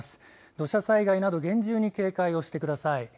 土砂災害など厳重に警戒をしてください。